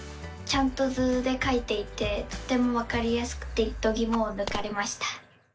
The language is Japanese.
ちゃんと図でかいていてとてもわかりやすくてどぎもをぬかれました！